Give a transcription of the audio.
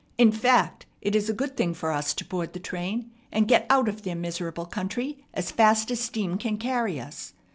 In fact, it is a good thing for us to board the train and get out of their miserable country as fast as steam can carry us.